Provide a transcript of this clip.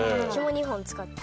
２本使って。